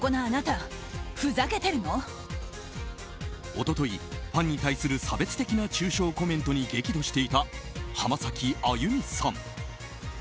一昨日、ファンに対する差別的な中傷コメントに激怒していた浜崎あゆみさん。